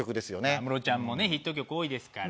安室ちゃんもねヒット曲多いですから。